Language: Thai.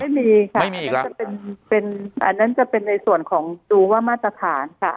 ไม่มีค่ะอันนั้นจะเป็นในส่วนของดูว่ามาตรฐานค่ะ